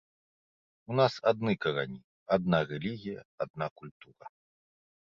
У нас адны карані, адна рэлігія, адна культура.